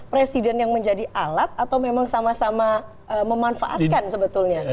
presiden yang menjadi alat atau memang sama sama memanfaatkan sebetulnya